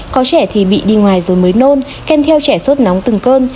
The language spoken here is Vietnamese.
có trẻ thì bị đi ngoài rồi mới nôn kem theo trẻ sốt nóng từng cơn